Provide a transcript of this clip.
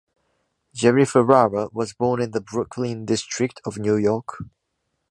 Jerry Ferrara was born in the Brooklyn district of New York.